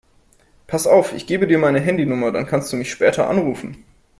Pass auf, ich gebe dir meine Handynummer, dann kannst du mich später anrufen.